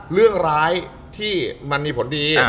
เรื่องร้ายที่มันมีผลดี